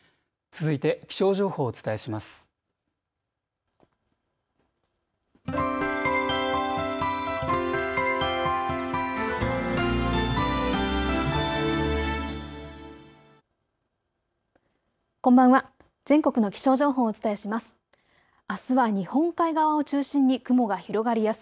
全国の気象情報をお伝えします。